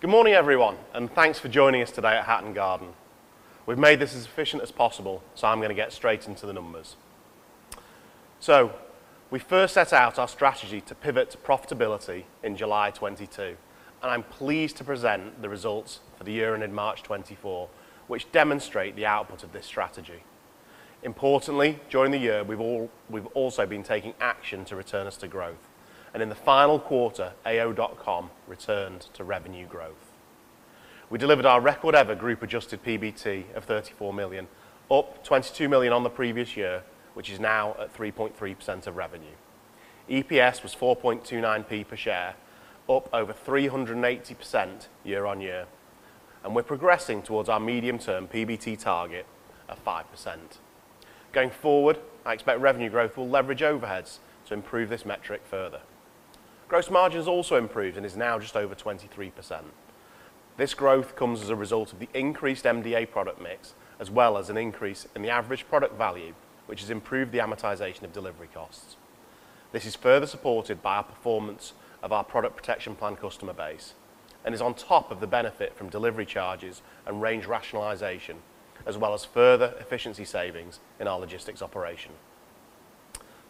Good morning, everyone, and thanks for joining us today at Hatton Garden. We've made this as efficient as possible, so I'm going to get straight into the numbers. So we first set out our strategy to pivot to profitability in July 2022, and I'm pleased to present the results for the year ending March 2024, which demonstrate the output of this strategy. Importantly, during the year, we've also been taking action to return us to growth, and in the final quarter, AO.com returned to revenue growth. We delivered our record-ever group adjusted PBT of 34 million, up 22 million on the previous year, which is now at 3.3% of revenue. EPS was 4.29p per share, up over 380% year-over-year, and we're progressing towards our medium-term PBT target of 5%. Going forward, I expect revenue growth will leverage overheads to improve this metric further. Gross margin has also improved and is now just over 23%. This growth comes as a result of the increased MDA product mix, as well as an increase in the average product value, which has improved the amortization of delivery costs. This is further supported by our performance of our product protection plan customer base and is on top of the benefit from delivery charges and range rationalization, as well as further efficiency savings in our logistics operation.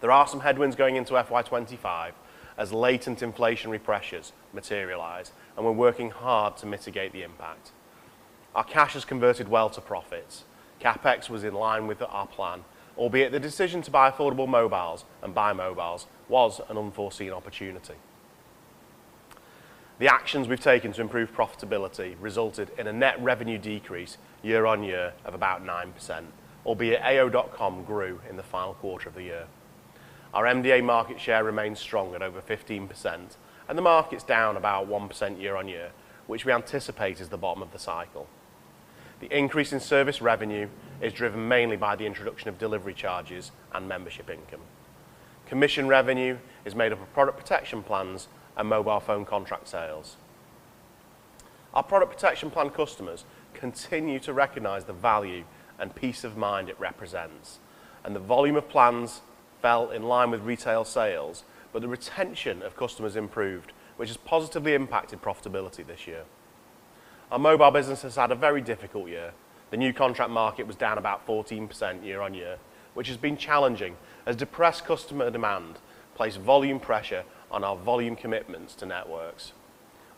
There are some headwinds going into FY 2025 as latent inflationary pressures materialize, and we're working hard to mitigate the impact. Our cash has converted well to profits. CapEx was in line with our plan, albeit the decision to buy Affordable Mobiles and BuyMobiles was an unforeseen opportunity. The actions we've taken to improve profitability resulted in a net revenue decrease year-on-year of about 9%, albeit AO.com grew in the final quarter of the year. Our MDA market share remains strong at over 15%, and the market's down about 1% year-on-year, which we anticipate is the bottom of the cycle. The increase in service revenue is driven mainly by the introduction of delivery charges and membership income. Commission revenue is made up of product protection plans and mobile phone contract sales. Our product protection plan customers continue to recognize the value and peace of mind it represents, and the volume of plans fell in line with retail sales, but the retention of customers improved, which has positively impacted profitability this year. Our mobile business has had a very difficult year. The new contract market was down about 14% year-on-year, which has been challenging as depressed customer demand placed volume pressure on our volume commitments to networks.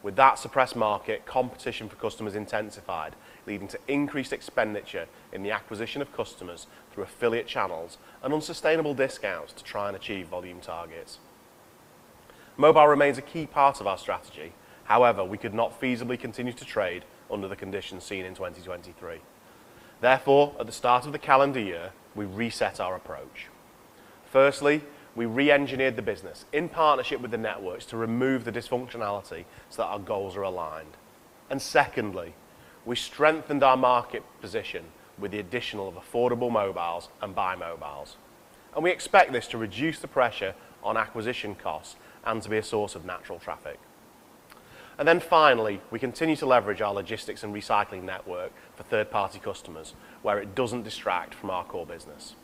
With that suppressed market, competition for customers intensified, leading to increased expenditure in the acquisition of customers through affiliate channels and unsustainable discounts to try and achieve volume targets. Mobile remains a key part of our strategy. However, we could not feasibly continue to trade under the conditions seen in 2023. Therefore, at the start of the calendar year, we reset our approach. Firstly, we reengineered the business in partnership with the networks to remove the dysfunctionality so that our goals are aligned. Secondly, we strengthened our market position with the addition of Affordable Mobiles and BuyMobiles, and we expect this to reduce the pressure on acquisition costs and to be a source of natural traffic. Finally, we continue to leverage our logistics and recycling network for third-party customers, where it doesn't distract from our core business.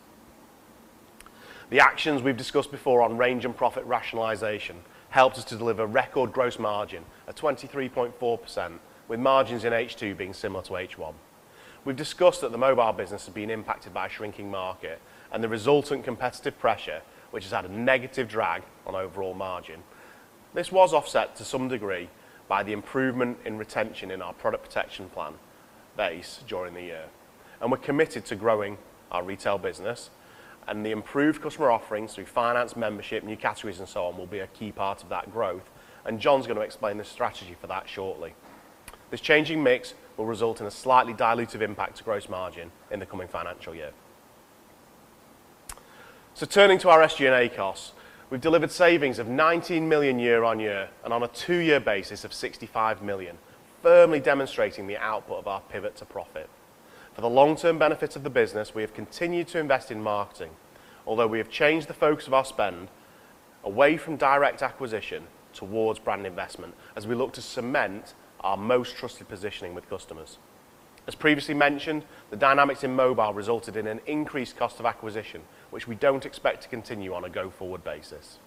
The actions we've discussed before on range and profit rationalization helped us to deliver record gross margin at 23.4%, with margins in H2 being similar to H1. We've discussed that the mobile business has been impacted by a shrinking market and the resultant competitive pressure, which has had a negative drag on overall margin. This was offset to some degree by the improvement in retention in our product protection plan base during the year, and we're committed to growing our retail business and the improved customer offerings through finance, membership, new categories, and so on, will be a key part of that growth, and John's going to explain this strategy for that shortly. This changing mix will result in a slightly dilutive impact to gross margin in the coming financial year. So turning to our SG&A costs, we've delivered savings of 19 million year-on-year and on a two-year basis of 65 million, firmly demonstrating the output of our pivot to profit. For the long-term benefits of the business, we have continued to invest in marketing, although we have changed the focus of our spend away from direct acquisition towards brand investment as we look to cement our most trusted positioning with customers. As previously mentioned, the dynamics in mobile resulted in an increased cost of acquisition, which we don't expect to continue on a go-forward basis.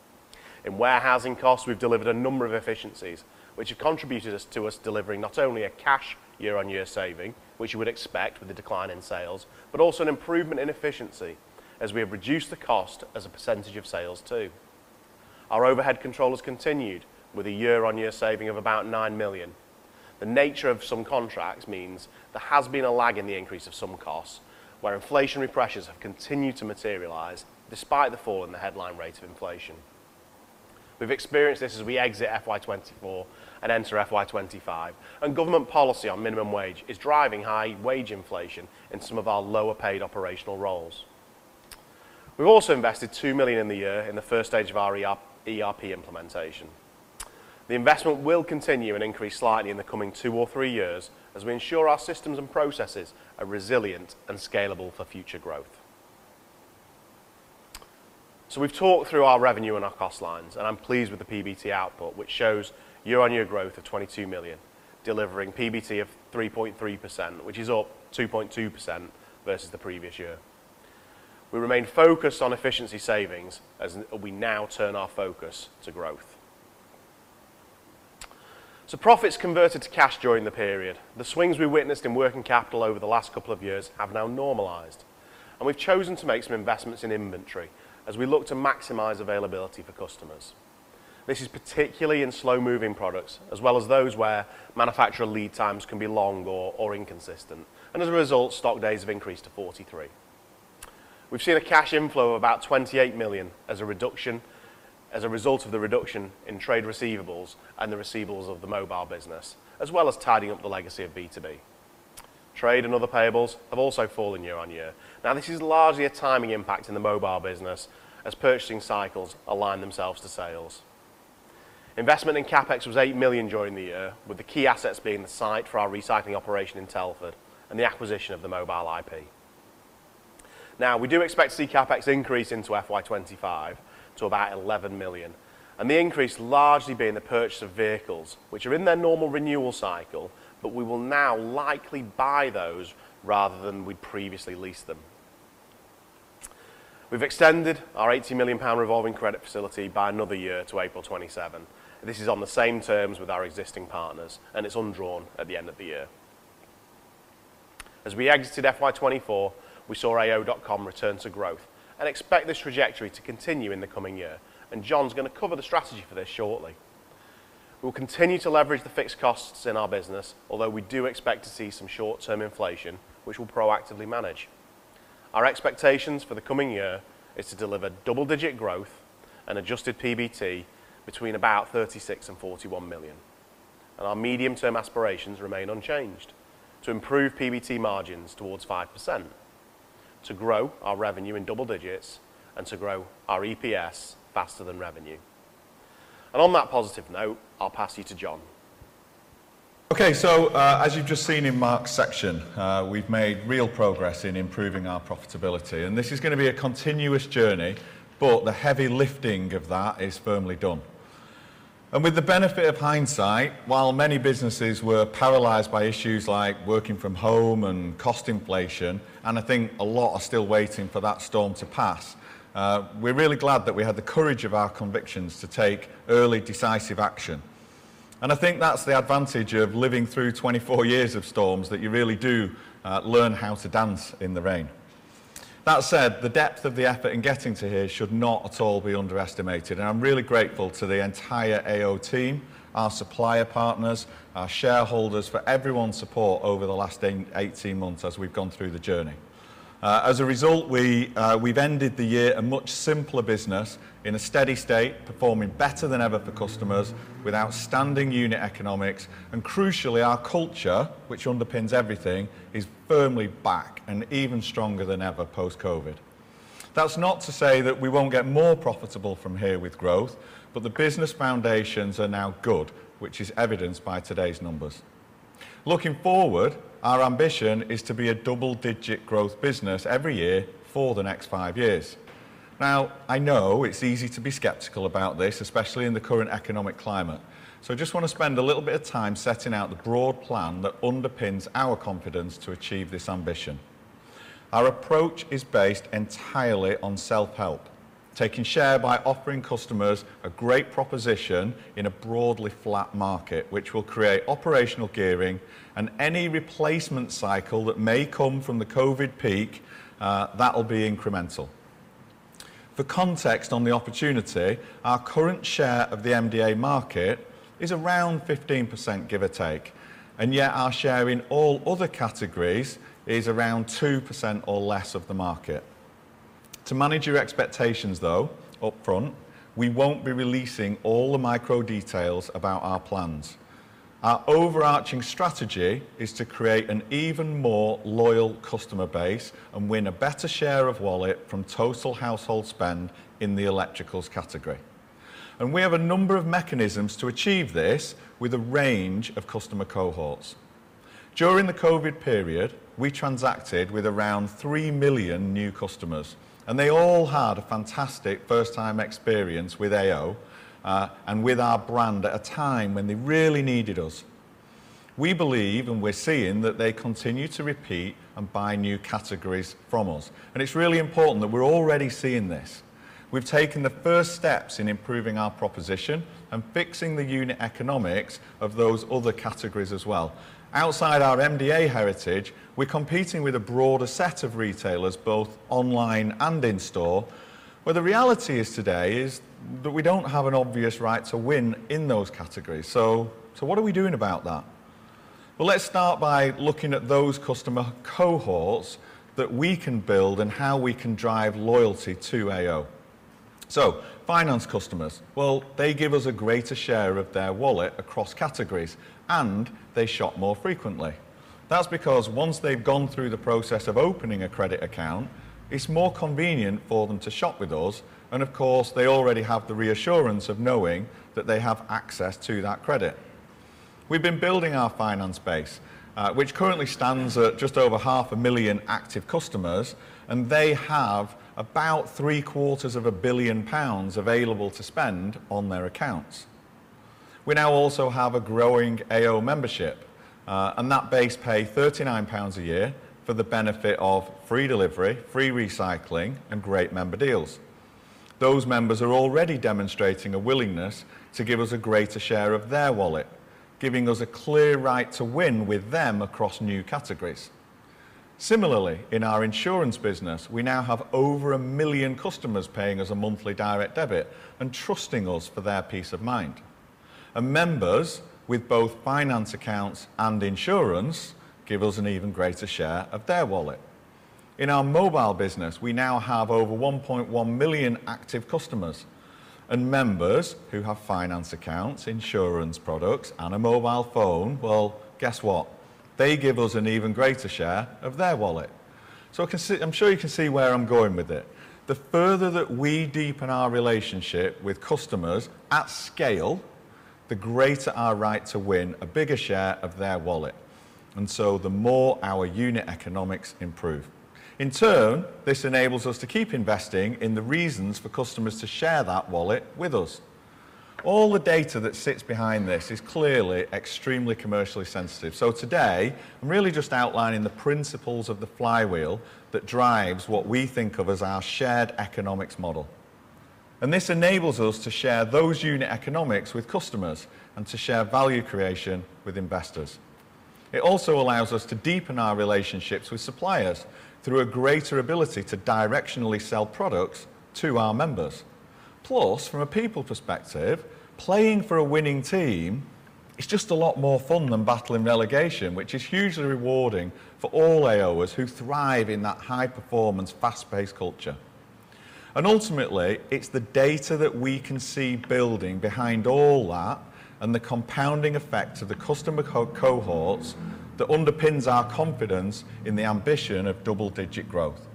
In warehousing costs, we've delivered a number of efficiencies which have contributed to us delivering not only a cash year-on-year saving, which you would expect with the decline in sales, but also an improvement in efficiency as we have reduced the cost as a percentage of sales, too. Our overhead control has continued with a year-on-year saving of about 9 million. The nature of some contracts means there has been a lag in the increase of some costs, where inflationary pressures have continued to materialize despite the fall in the headline rate of inflation. We've experienced this as we exit FY 2024 and enter FY 2025, and government policy on minimum wage is driving high wage inflation in some of our lower-paid operational roles. We've also invested 2 million in the year in the first stage of our ERP, ERP implementation. The investment will continue and increase slightly in the coming two or three years as we ensure our systems and processes are resilient and scalable for future growth. So we've talked through our revenue and our cost lines, and I'm pleased with the PBT output, which shows year-on-year growth of 22 million, delivering PBT of 3.3%, which is up 2.2% versus the previous year. We remain focused on efficiency savings as we now turn our focus to growth. So profits converted to cash during the period. The swings we witnessed in working capital over the last couple of years have now normalized, and we've chosen to make some investments in inventory as we look to maximize availability for customers. This is particularly in slow-moving products, as well as those where manufacturer lead times can be long or inconsistent, and as a result, stock days have increased to 43. We've seen a cash inflow of about 28 million as a reduction, as a result of the reduction in trade receivables and the receivables of the mobile business, as well as tidying up the legacy of B2B. Trade and other payables have also fallen year-over-year. Now, this is largely a timing impact in the mobile business, as purchasing cycles align themselves to sales. Investment in CapEx was 8 million during the year, with the key assets being the site for our recycling operation in Telford and the acquisition of the mobile IP. Now, we do expect to see CapEx increase into FY 2025 to about 11 million, and the increase largely being the purchase of vehicles, which are in their normal renewal cycle, but we will now likely buy those rather than we previously leased them. We've extended our 80 million pound revolving credit facility by another year to April 2027. This is on the same terms with our existing partners, and it's undrawn at the end of the year. As we exited FY 2024, we saw AO.com return to growth and expect this trajectory to continue in the coming year, and John's gonna cover the strategy for this shortly. We'll continue to leverage the fixed costs in our business, although we do expect to see some short-term inflation, which we'll proactively manage. Our expectations for the coming year is to deliver double-digit growth and adjusted PBT between about 36 million and 41 million. And our medium-term aspirations remain unchanged: to improve PBT margins towards 5%, to grow our revenue in double digits, and to grow our EPS faster than revenue. And on that positive note, I'll pass you to John. Okay, so, as you've just seen in Mark's section, we've made real progress in improving our profitability, and this is gonna be a continuous journey, but the heavy lifting of that is firmly done. And with the benefit of hindsight, while many businesses were paralyzed by issues like working from home and cost inflation, and I think a lot are still waiting for that storm to pass, we're really glad that we had the courage of our convictions to take early, decisive action. And I think that's the advantage of living through 24 years of storms, that you really do, learn how to dance in the rain. That said, the depth of the effort in getting to here should not at all be underestimated, and I'm really grateful to the entire AO team, our supplier partners, our shareholders, for everyone's support over the last 18 months as we've gone through the journey. As a result, we've ended the year a much simpler business in a steady state, performing better than ever for customers with outstanding unit economics, and crucially, our culture, which underpins everything, is firmly back and even stronger than ever post-COVID. That's not to say that we won't get more profitable from here with growth, but the business foundations are now good, which is evidenced by today's numbers. Looking forward, our ambition is to be a double-digit growth business every year for the next five years. Now, I know it's easy to be skeptical about this, especially in the current economic climate. So I just want to spend a little bit of time setting out the broad plan that underpins our confidence to achieve this ambition. Our approach is based entirely on self-help, taking share by offering customers a great proposition in a broadly flat market, which will create operational gearing and any replacement cycle that may come from the COVID peak, that will be incremental. For context on the opportunity, our current share of the MDA market is around 15%, give or take, and yet our share in all other categories is around 2% or less of the market. To manage your expectations, though, up front, we won't be releasing all the micro details about our plans. Our overarching strategy is to create an even more loyal customer base and win a better share of wallet from total household spend in the electricals category. We have a number of mechanisms to achieve this with a range of customer cohorts. During the COVID period, we transacted with around 3 million new customers, and they all had a fantastic first-time experience with AO, and with our brand at a time when they really needed us. We believe, and we're seeing, that they continue to repeat and buy new categories from us, and it's really important that we're already seeing this. We've taken the first steps in improving our proposition and fixing the unit economics of those other categories as well. Outside our MDA heritage, we're competing with a broader set of retailers, both online and in-store, where the reality is today is that we don't have an obvious right to win in those categories. So what are we doing about that? Well, let's start by looking at those customer cohorts that we can build and how we can drive loyalty to AO. Finance customers, well, they give us a greater share of their wallet across categories, and they shop more frequently. That's because once they've gone through the process of opening a credit account, it's more convenient for them to shop with us, and of course, they already have the reassurance of knowing that they have access to that credit. We've been building our finance base, which currently stands at just over 500,000 active customers, and they have about 750 million pounds available to spend on their accounts. We now also have a growing AO Membership, and that base pay 39 pounds a year for the benefit of free delivery, free recycling, and great member deals. Those members are already demonstrating a willingness to give us a greater share of their wallet, giving us a clear right to win with them across new categories. Similarly, in our insurance business, we now have over 1 million customers paying us a monthly direct debit and trusting us for their peace of mind. And members with both finance accounts and insurance give us an even greater share of their wallet. In our mobile business, we now have over 1.1 million active customers. And members who have finance accounts, insurance products, and a mobile phone, well, guess what? They give us an even greater share of their wallet. So I can see, I'm sure you can see where I'm going with it. The further that we deepen our relationship with customers at scale, the greater our right to win a bigger share of their wallet, and so the more our unit economics improve. In turn, this enables us to keep investing in the reasons for customers to share that wallet with us. All the data that sits behind this is clearly extremely commercially sensitive. So today, I'm really just outlining the principles of the flywheel that drives what we think of as our shared economics model. And this enables us to share those unit economics with customers and to share value creation with investors. It also allows us to deepen our relationships with suppliers through a greater ability to directionally sell products to our members. Plus, from a people perspective, playing for a winning team is just a lot more fun than battling relegation, which is hugely rewarding for all AOers who thrive in that high-performance, fast-paced culture. Ultimately, it's the data that we can see building behind all that and the compounding effect of the customer co-cohorts that underpins our confidence in the ambition of double-digit growth.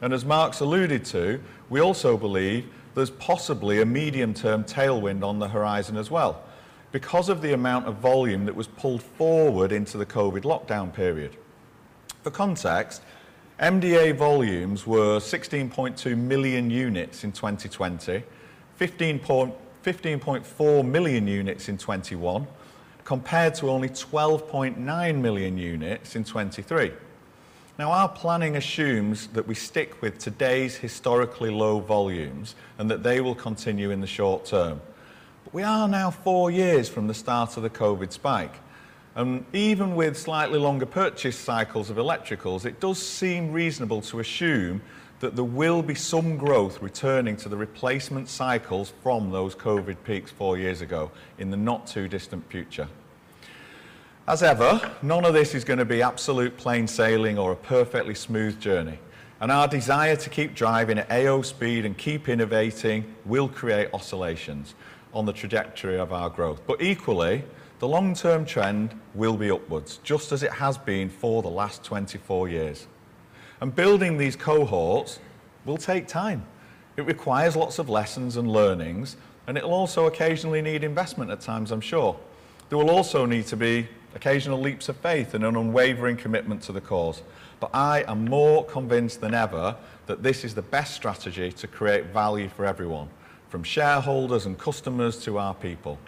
As Mark's alluded to, we also believe there's possibly a medium-term tailwind on the horizon as well because of the amount of volume that was pulled forward into the COVID lockdown period. For context, MDA volumes were 16.2 million units in 2020, 15.4 million units in 2021, compared to only 12.9 million units in 2023. Now, our planning assumes that we stick with today's historically low volumes and that they will continue in the short term. But we are now four years from the start of the COVID spike, and even with slightly longer purchase cycles of electricals, it does seem reasonable to assume that there will be some growth returning to the replacement cycles from those COVID peaks four years ago in the not-too-distant future. As ever, none of this is gonna be absolute plain sailing or a perfectly smooth journey, and our desire to keep driving at AO speed and keep innovating will create oscillations on the trajectory of our growth. But equally, the long-term trend will be upwards, just as it has been for the last 24 years. And building these cohorts will take time. It requires lots of lessons and learnings, and it'll also occasionally need investment at times, I'm sure. There will also need to be occasional leaps of faith and an unwavering commitment to the cause. But I am more convinced than ever that this is the best strategy to create value for everyone, from shareholders and customers to our people.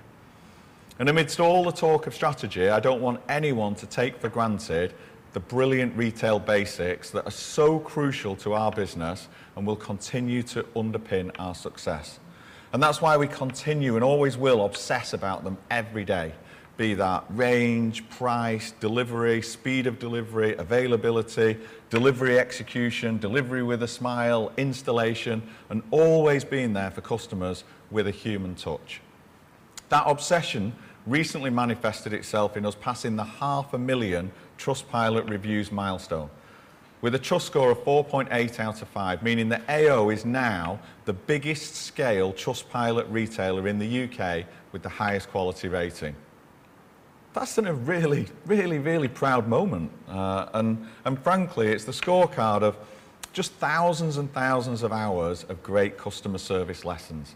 And amidst all the talk of strategy, I don't want anyone to take for granted the brilliant retail basics that are so crucial to our business and will continue to underpin our success. That's why we continue and always will obsess about them every day, be that range, price, delivery, speed of delivery, availability, delivery execution, delivery with a smile, installation, and always being there for customers with a human touch. That obsession recently manifested itself in us passing the 500,000 Trustpilot reviews milestone with a trust score of four point eight out of five, meaning that AO is now the biggest scale Trustpilot retailer in the U.K. with the highest quality rating. That's been a really, really, really proud moment, and frankly, it's the scorecard of just thousands and thousands of hours of great customer service lessons.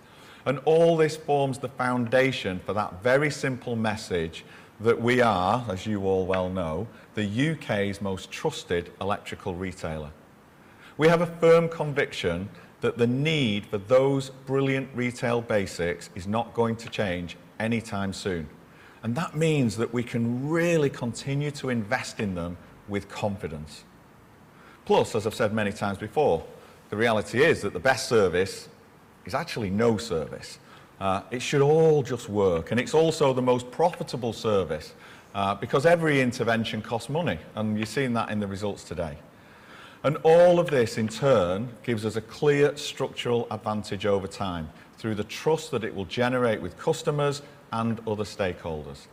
All this forms the foundation for that very simple message that we are, as you all well know, the U.K.'s most trusted electrical retailer. We have a firm conviction that the need for those brilliant retail basics is not going to change anytime soon, and that means that we can really continue to invest in them with confidence. Plus, as I've said many times before, the reality is that the best service is actually no service. It should all just work, and it's also the most profitable service, because every intervention costs money, and you've seen that in the results today. And all of this, in turn, gives us a clear structural advantage over time through the trust that it will generate with customers and other stakeholders.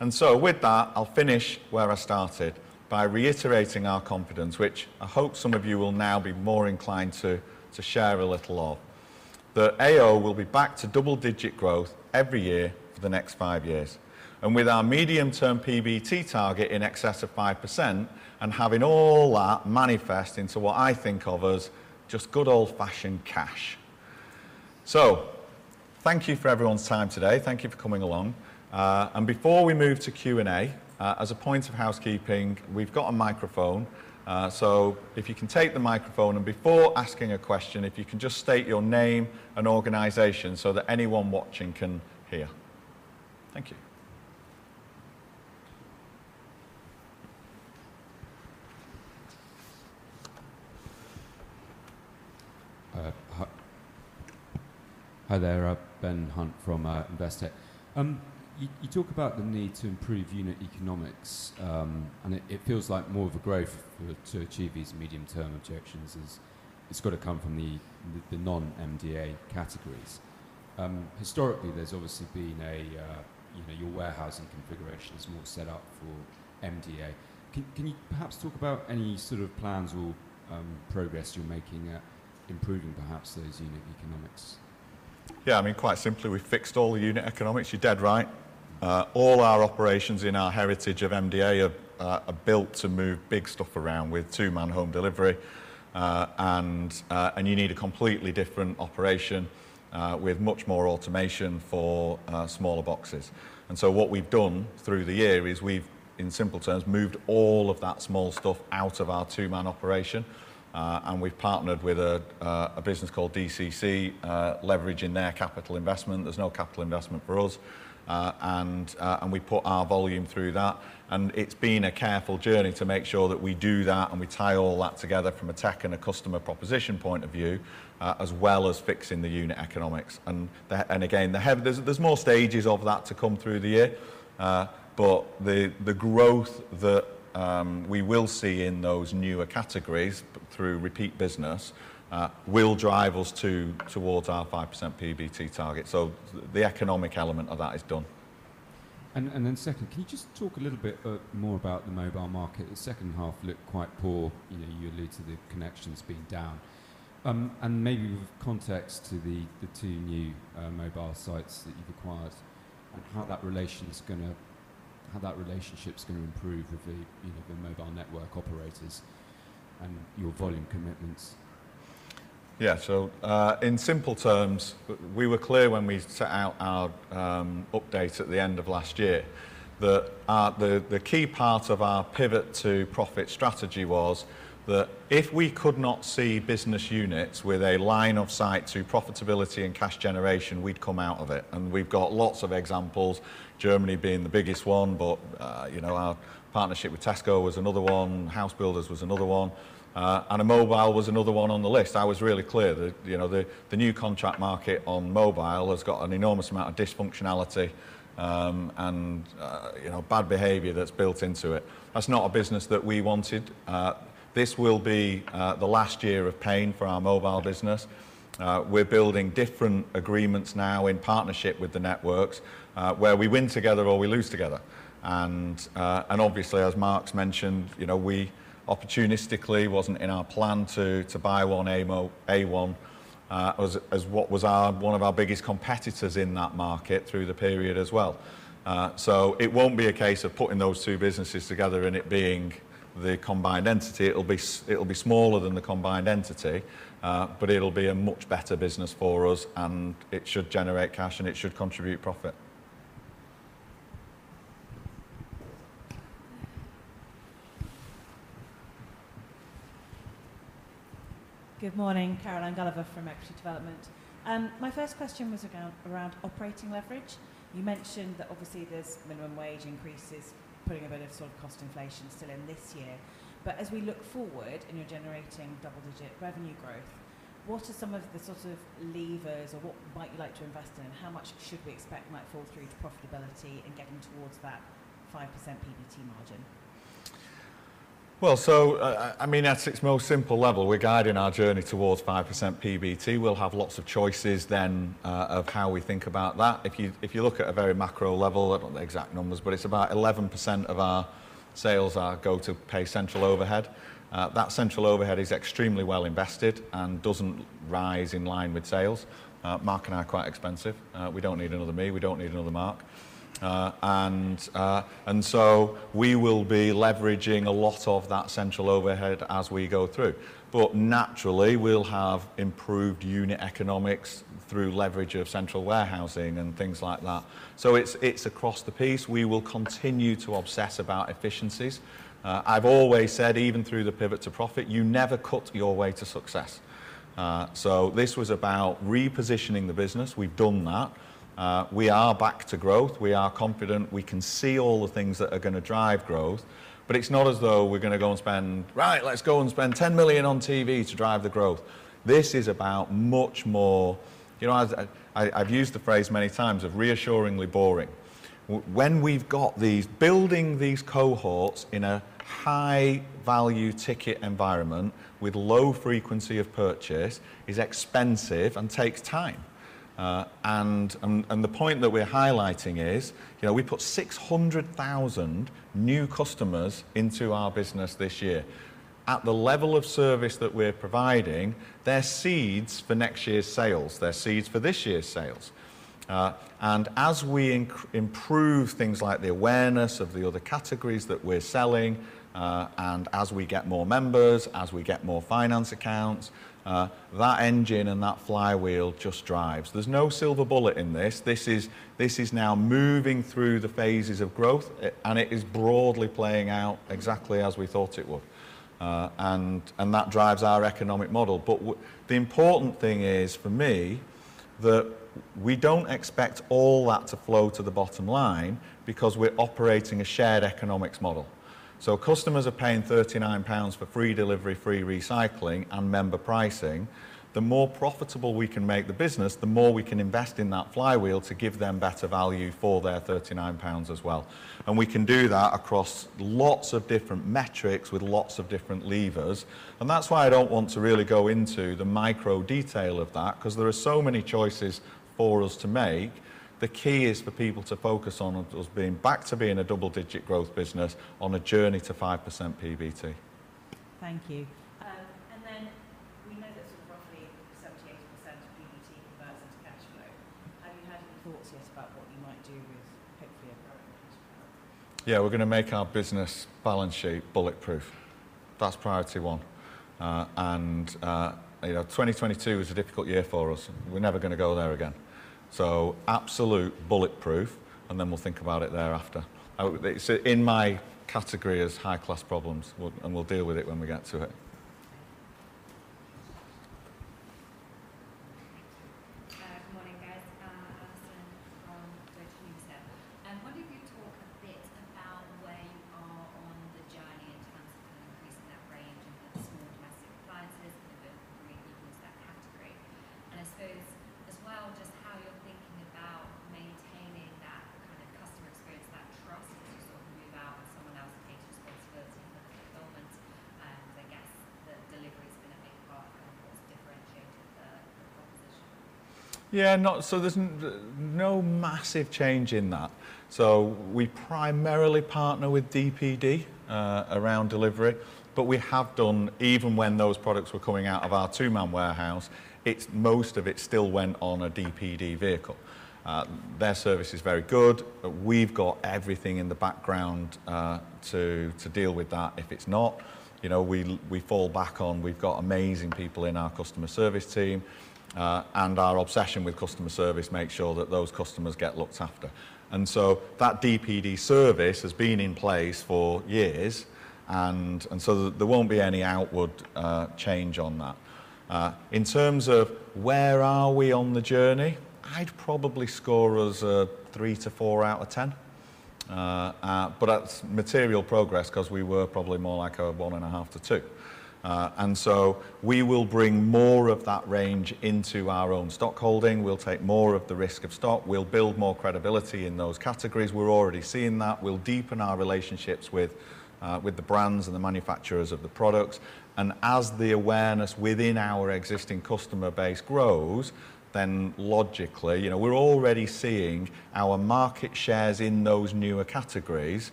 And so with that, I'll finish where I started by reiterating our confidence, which I hope some of you will now be more inclined to, to share a little of, that AO will be back to double-digit growth every year for the next five years. With our medium-term PBT target in excess of 5% and having all that manifest into what I think of as just good old-fashioned cash. So thank you for everyone's time today. Thank you for coming along. And before we move to Q&A, as a point of housekeeping, we've got a microphone, so if you can take the microphone and before asking a question, if you can just state your name and organization so that anyone watching can hear. Thank you. Hi, hi there, Ben Hunt from Investec. You talk about the need to improve unit economics, and it feels like more of a growth to achieve these medium-term objectives is, it's gotta come from the non-MDA categories. Historically, there's obviously been a, you know, your warehousing configuration is more set up for MDA. Can you perhaps talk about any sort of plans or progress you're making at improving perhaps those unit economics? Yeah, I mean, quite simply, we fixed all the unit economics. You're dead right. All our operations in our heritage of MDA are built to move big stuff around with two-man home delivery. And you need a completely different operation with much more automation for smaller boxes. And so what we've done through the year is we've, in simple terms, moved all of that small stuff out of our two-man operation, and we've partnered with a business called DCC, leveraging their capital investment. There's no capital investment for us. And we put our volume through that, and it's been a careful journey to make sure that we do that, and we tie all that together from a tech and a customer proposition point of view, as well as fixing the unit economics. And again, there's more stages of that to come through the year, but the growth that we will see in those newer categories, through repeat business, will drive us towards our 5% PBT target. So the economic element of that is done. And then secondly, can you just talk a little bit more about the mobile market? The H2 looked quite poor. You know, you allude to the connections being down. And maybe with context to the two new mobile sites that you've acquired, and how that relation is gonna, how that relationship's gonna improve with the, you know, the mobile network operators and your volume commitments. Yeah, so in simple terms, we were clear when we set out our update at the end of last year that the key part of our pivot to profit strategy was that if we could not see business units with a line of sight to profitability and cash generation, we'd come out of it, and we've got lots of examples, Germany being the biggest one, but you know, our partnership with Tesco was another one, House Builders was another one, and mobile was another one on the list. I was really clear that you know, the new contract market on mobile has got an enormous amount of dysfunctionality and you know, bad behavior that's built into it. That's not a business that we wanted. This will be the last year of paying for our mobile business. We're building different agreements now in partnership with the networks, where we win together or we lose together. And obviously, as Mark's mentioned, you know, we opportunistically, wasn't in our plan to buy Affordable Mobiles, as what was our one of our biggest competitors in that market through the period as well. So it won't be a case of putting those two businesses together and it being the combined entity. It'll be smaller than the combined entity, but it'll be a much better business for us, and it should generate cash, and it should contribute profit. Good morning, Caroline Gulliver from Equity Development. My first question was around operating leverage. You mentioned that obviously, there's minimum wage increases, putting a bit of sort of cost inflation still in this year. But as we look forward and you're generating double-digit revenue growth, what are some of the sort of levers or what might you like to invest in? How much should we expect might fall through to profitability in getting towards that 5% PBT margin? Well, so, I mean, at its most simple level, we're guiding our journey towards 5% PBT. We'll have lots of choices then of how we think about that. If you look at a very macro level, I don't know the exact numbers, but it's about 11% of our sales that goes to pay central overhead. That central overhead is extremely well invested and doesn't rise in line with sales. Mark and I are quite expensive. We don't need another me, we don't need another Mark. And so we will be leveraging a lot of that central overhead as we go through. But naturally, we'll have improved unit economics through leverage of central warehousing and things like that. So it's across the piece. We will continue to obsess about efficiencies. I've always said, even through the pivot to profit, you never cut your way to success. So this was about repositioning the business. We've done that. We are back to growth. We are confident. We can see all the things that are gonna drive growth, but it's not as though we're gonna go and spend, "Right, let's go and spend 10 million on TV to drive the growth." This is about much more... You know, I've used the phrase many times, of reassuringly boring. When we've got these, building these cohorts in a high-value ticket environment with low frequency of purchase, is expensive and takes time. And the point that we're highlighting is, you know, we put 600,000 new customers into our business this year. At the level of service that we're providing, they're seeds for next year's sales, they're seeds for this year's sales. And as we improve things like the awareness of the other categories that we're selling, and as we get more members, as we get more finance accounts, that engine and that flywheel just drives. There's no silver bullet in this. This is, this is now moving through the phases of growth, and it is broadly playing out exactly as we thought it would. And, and that drives our economic model. But the important thing is, for me, that we don't expect all that to flow to the bottom line because we're operating a shared economics model. So customers are paying 39 pounds for free delivery, free recycling, and member pricing. The more profitable we can make the business, the more we can invest in that flywheel to give them better value for their 39 pounds as well. And we can do that across lots of different metrics with lots of different levers, and that's why I don't want to really go into the micro detail of that, 'cause there are so many choices for us to make. The key is for people to focus on us, us being back to being a double-digit growth business on a journey to 5% PBT. Thank you. And then we know that sort of roughly 70%-80% of PBT converts into cash flow. Have you had any thoughts yet about what you might do with hopefully a growing cash flow? Yeah, we're gonna make our business balance sheet bulletproof. That's priority one. You know, 2022 was a difficult year for us, and we're never gonna go there again. So absolute bulletproof, and then we'll think about it thereafter. It's in my category as high-class problems, and we'll deal with it when we get to it. and our obsession with customer service makes sure that those customers get looked after. And so that DPD service has been in place for years, and so there won't be any outward change on that. In terms of where are we on the journey, I'd probably score us a three to four out of 10. But that's material progress 'cause we were probably more like one and half to two. And so we will bring more of that range into our own stockholding, we'll take more of the risk of stock, we'll build more credibility in those categories. We're already seeing that. We'll deepen our relationships with the brands and the manufacturers of the products, and as the awareness within our existing customer base grows, then logically, you know, we're already seeing our market shares in those newer categories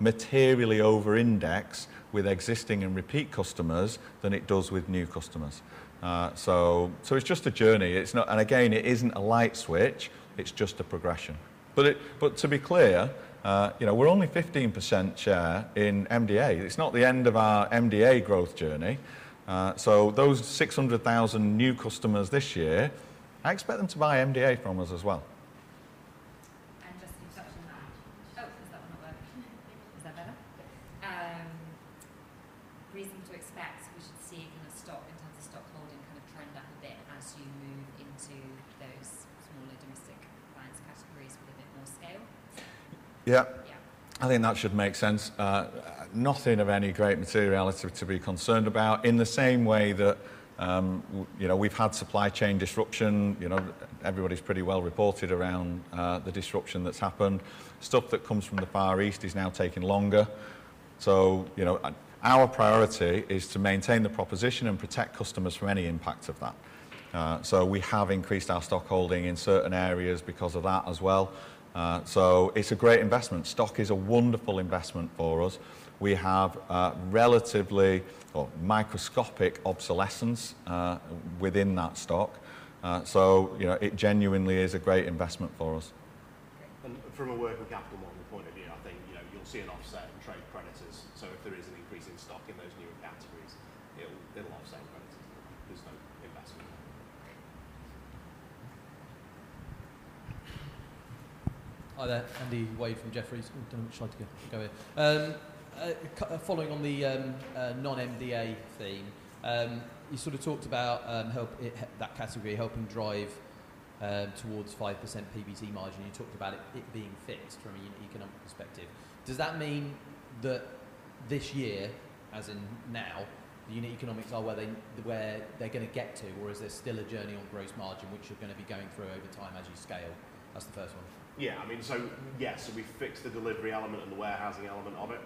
materially over-index with existing and repeat customers than it does with new customers. So it's just a journey. It's not. And again, it isn't a light switch, it's just a progression. But to be clear, you know, we're only 15% share in MDA. It's not the end of our MDA growth journey, so those 600,000 new customers this year, I expect them to buy MDA from us as well. Just to touch on that. Oh, is that one not working? Is that better? Reason to expect we should see kind of stock in terms of stockholding kind of trend up a bit as you move into those smaller domestic appliances categories with a bit more scale? Yeah. Yeah. I think that should make sense. Nothing of any great materiality to be concerned about. In the same way that, you know, we've had supply chain disruption, you know, everybody's pretty well reported around, the disruption that's happened. Stuff that comes from the Far East is now taking longer. So, you know, our priority is to maintain the proposition and protect customers from any impact of that. So we have increased our stockholding in certain areas because of that as well. So it's a great investment. Stock is a wonderful investment for us. We have, relatively or microscopic obsolescence, within that stock, so, you know, it genuinely is a great investment for us. From a working capital model point of view, I think, you know, you'll see an offset of trade creditors. So if there is an increase in stock in those newer categories, there will be an offset in credits. There's no investment. Hi there, Andy Wade from Jefferies. I don't know which slide to go with. Following on the non-MDA theme, you sort of talked about helping that category helping drive towards 5% PBT margin. You talked about it being fixed from a unit economics perspective. Does that mean that this year, as in now, the unit economics are where they're gonna get to, or is there still a journey on gross margin, which you're gonna be going through over time as you scale? That's the first one. Yeah, I mean, so yes, so we fixed the delivery element and the warehousing element of it.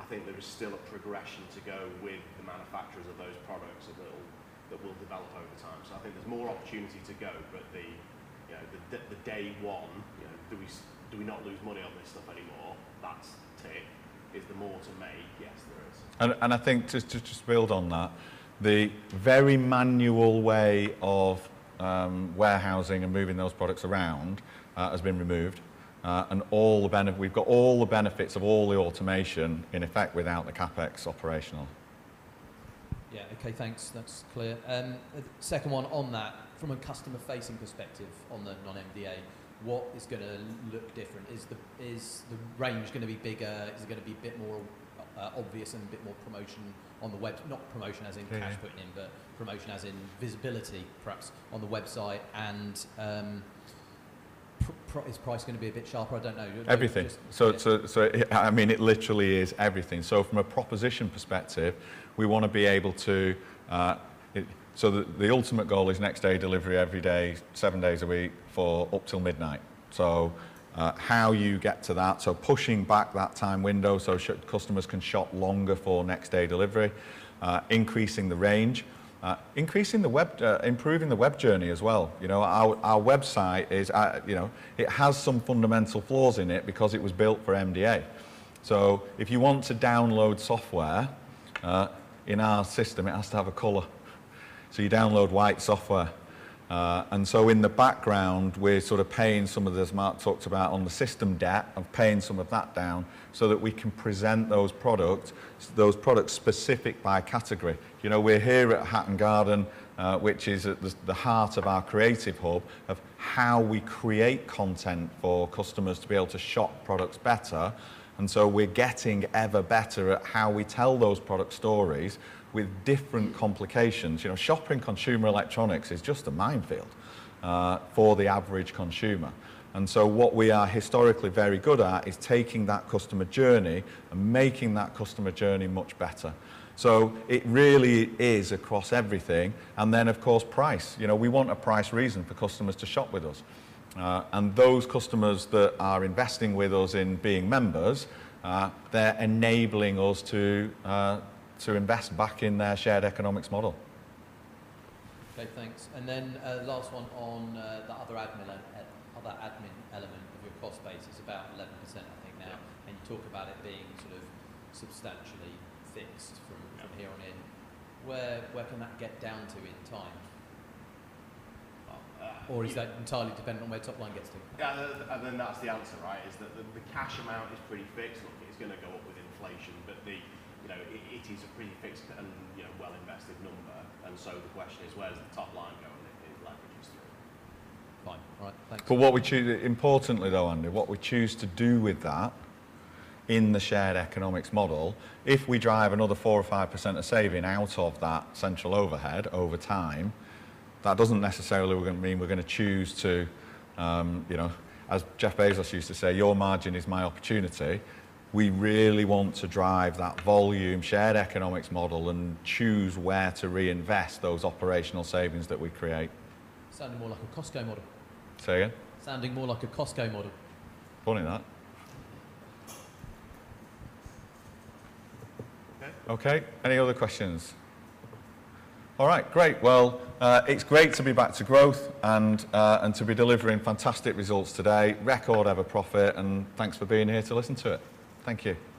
I think there is still a progression to go with the manufacturers of those products that will develop over time. So I think there's more opportunity to go, but the, you know, the day one, you know, do we not lose money on this stuff anymore? That's tick. Is there more to make? Yes, there is. I think just to build on that, the very manual way of warehousing and moving those products around has been removed. We've got all the benefits of all the automation in effect without the CapEx operational. Yeah. Okay, thanks. That's clear. Second one on that, from a customer-facing perspective on the non-MDA, what is gonna look different? Is the range gonna be bigger? Is it gonna be a bit more obvious and a bit more promotion on the web, not promotion as in cash putting in- Yeah... but promotion as in visibility, perhaps, on the website? And, ... Is price going to be a bit sharper? I don't know. Everything. So, I mean, it literally is everything. So from a proposition perspective, we want to be able to, so the ultimate goal is next day delivery every day, seven days a week for up till midnight. So, how you get to that, so pushing back that time window so customers can shop longer for next day delivery, increasing the range, increasing the web, improving the web journey as well. You know, our website is, you know, it has some fundamental flaws in it because it was built for MDA. So if you want to download software in our system, it has to have a color. So you download white software. And so in the background, we're sort of paying some of this, Mark talked about on the system debt, of paying some of that down so that we can present those products, those products specific by category. You know, we're here at Hatton Garden, which is at the heart of our creative hub, of how we create content for customers to be able to shop products better, and so we're getting ever better at how we tell those product stories with different complications. You know, shopping consumer electronics is just a minefield for the average consumer. What we are historically very good at is taking that customer journey and making that customer journey much better. So it really is across everything, and then, of course, price. You know, we want a price reason for customers to shop with us. Those customers that are investing with us in being members, they're enabling us to invest back in their shared economics model. Okay, thanks. And then, last one on, the other admin element of your cost base is about 11%, I think, now. Yeah. You talk about it being sort of substantially fixed from- Yeah... from here on in. Where, where can that get down to in time? Uh. Or is that entirely dependent on where top line gets to? Yeah, and then that's the answer, right? Is that the, the cash amount is pretty fixed. It's gonna go up with inflation, but the, you know, it, it is a pretty fixed and, you know, well-invested number. And so the question is, where's the top line going in, in leverages to it? Fine. All right, thanks. But what we choose, importantly, though, Andy, what we choose to do with that in the shared economics model, if we drive another 4%-5% of saving out of that central overhead over time, that doesn't necessarily mean we're gonna choose to, you know, as Jeff Bezos used to say, "Your margin is my opportunity." We really want to drive that volume, shared economics model and choose where to reinvest those operational savings that we create. Sounding more like a Costco model. Say again? Sounding more like a Costco model. Funny, that. Okay. Okay, any other questions? All right, great. Well, it's great to be back to growth and, and to be delivering fantastic results today, record ever profit, and thanks for being here to listen to it. Thank you. Thanks.